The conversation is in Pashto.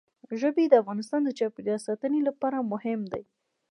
ژبې د افغانستان د چاپیریال ساتنې لپاره مهم دي.